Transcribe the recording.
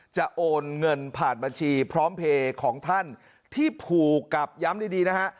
โอนเงินผ่านบัญชีพร้อมเพลย์ของท่านที่ผูกกับย้ำดีนะฮะ